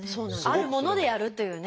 あるものでやるというね。